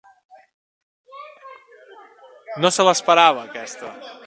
No se l'esperava, aquesta!